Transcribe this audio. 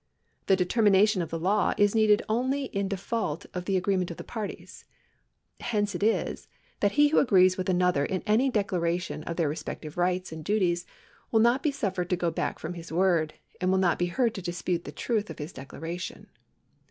The determination of the law is needed only in default of the agreement of the parties. Hence it is, that he who agrees with another in any declaration of their respective rights and duties will not be suffered to go back from his word, and will not be heard to dispute the truth of his declaration.